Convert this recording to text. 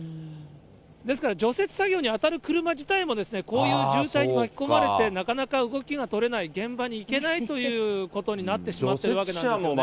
ですから除雪作業に当たる車自体も、こういう渋滞に巻き込まれて、なかなか動きが取れない、現場に行けないということになってしまっているわけなんですよね。